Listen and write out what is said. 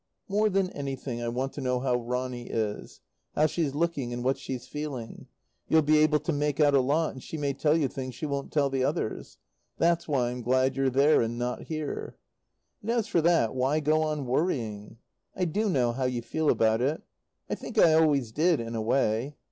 More than anything I want to know how Ronny is; how she's looking and what she's feeling; you'll be able to make out a lot, and she may tell you things she won't tell the others. That's why I'm glad you're there and not here. And as for that why go on worrying? I do know how you feel about it. I think I always did, in a way.